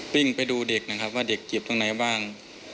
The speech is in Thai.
วิ่งไปดูเด็กนะครับว่าเด็กเจ็บตรงไหนบ้าง